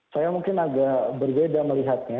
saya mungkin agak berbeda melihatnya